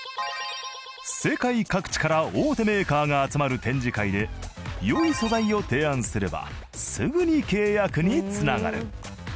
世界各地から大手メーカーが集まる展示会で良い素材を提案すればすぐに契約に繋がる。